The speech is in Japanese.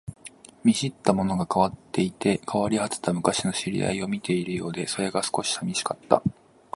見知ったものが変わっていて、変わり果てた昔の知り合いを見ているようで、それが少し寂しかった